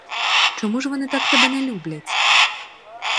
Чому ж вони так тебе не люблять?